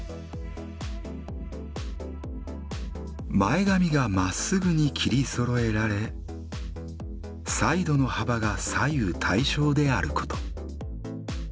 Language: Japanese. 前髪がまっすぐに切りそろえられサイドの幅が左右対称であること。